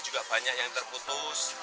juga banyak yang terputus